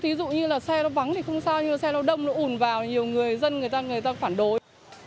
ví dụ như là xe nó vắng thì không sao nhưng xe nó đông nó ủn vào nhiều người dân người ta người ta phản đối